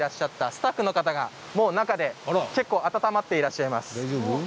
スタッフの方が暖まっていらっしゃいます。